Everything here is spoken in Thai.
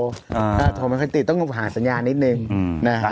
ถ้าโทรมาคติต้องหาสัญญานิดหนึ่งนะฮะ